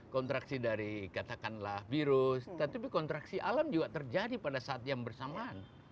kontraksi dari katakanlah virus tetapi kontraksi alam juga terjadi pada saat yang bersamaan